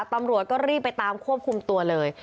ตำรวจก็รีบไปตามควบคุมตัวเลย